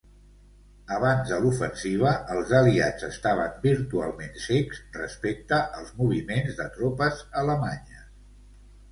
Abans de l'ofensiva, els aliats estaven virtualment cecs respecte als moviments de tropes alemanyes.